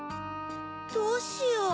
どうしよう。